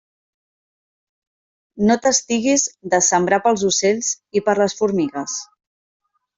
No t'estiguis de sembrar pels ocells i per les formigues.